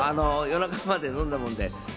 夜中まで飲んだもんで。